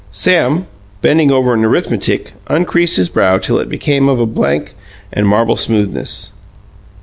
Sam, bending over an arithmetic, uncreased his brow till it became of a blank and marble smoothness.